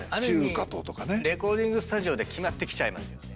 レコーディングスタジオで決まってきちゃいますよね。